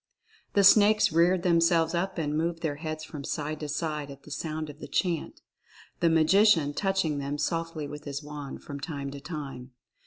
The snakes reared themselves up and moved their heads from side to side at the sound of the chant, the Magician touching them softly with his wand from time to time.